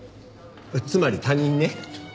つまり他人ね。